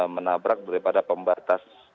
menabrak daripada pembatas